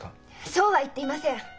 そうは言っていません。